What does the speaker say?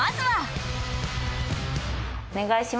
はい。